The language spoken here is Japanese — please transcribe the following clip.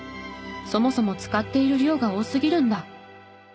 そもそも使っている量が多すぎるんだ。